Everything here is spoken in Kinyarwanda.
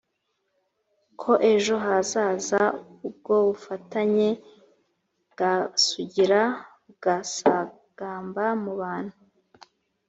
ko ejo hazaza ubwo bufatanye bwasugira bugasagamba mu bantu